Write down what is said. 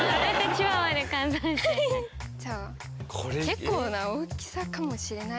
結構な大きさかもしれない。